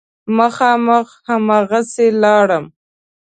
مخامخ هماغسې لاړم.